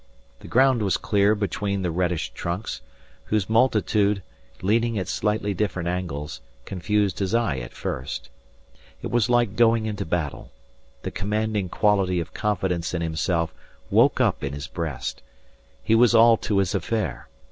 The ground was clear between the reddish trunks, whose multitude, leaning at slightly different angles, confused his eye at first. It was like going into battle. The commanding quality of confidence in himself woke up in his breast. He was all to his affair.